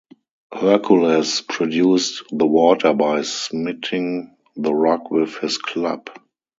Hercules produced the water by smiting the rock with his club.